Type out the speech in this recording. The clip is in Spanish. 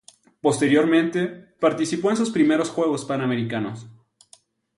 Posteriormente participó en sus primeros Juegos Panamericanos.